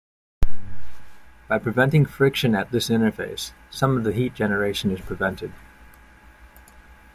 By preventing friction at this interface, some of the heat generation is prevented.